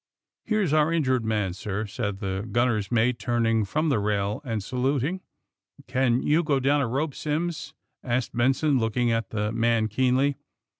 ^^ Here's onr injured man, sir," said the gun ner's mate, turning from the rail and saluting. ^^Can you go down a rope, SimmsT' asked Benson, looking at the man keenly.